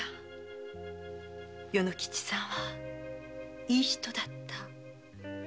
与之吉さんはいい人だった。